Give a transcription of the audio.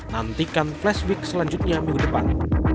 nantikan flash week selanjutnya minggu depan